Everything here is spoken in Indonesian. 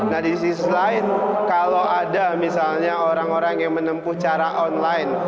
nah di sisi lain kalau ada misalnya orang orang yang menempuh cara online